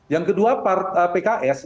yang kedua pks